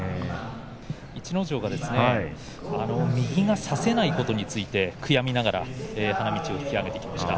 逸ノ城右が差せないことについて悔やみながら花道を引き揚げていきました。